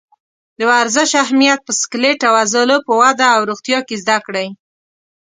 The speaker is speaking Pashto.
د ورزش اهمیت په سکلیټ او عضلو په وده او روغتیا کې زده کړئ.